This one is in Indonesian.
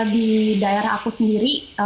di daerah aku sendiri